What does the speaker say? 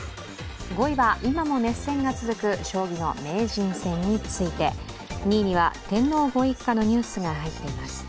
５位は今も熱戦が続く将棋の名人戦について２位には天皇ご一家のニュースが入っています。